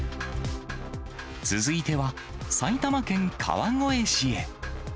続いては、埼玉県川越市へ。